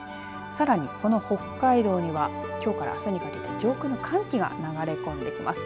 さらに、この北海道にはきょうからあすにかけて上空の寒気が流れ込んできます。